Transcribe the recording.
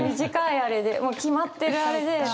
短いあれでもう決まってるあれで。